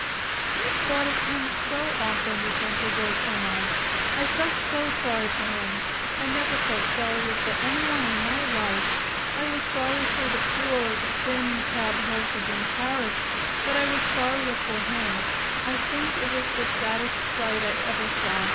"I've thought of him so often," the gentle voice went on. "I felt so sorry for him. I never felt sorrier for any one in my life. I was sorry for the poor, thin cab horses in Paris, but I was sorrier for him. I think it was the saddest sight I ever saw.